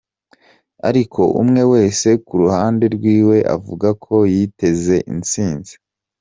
Ariko umwe wese ku ruhande rwiwe avuga ko yiteze insinzi.